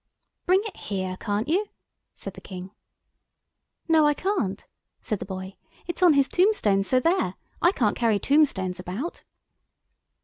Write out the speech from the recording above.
"Bring it here, can't you?" said the King. "No, I can't," said the boy. "It's on his tombstone, so there. I can't carry tombstones about."